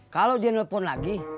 kalau dia nelfon lagi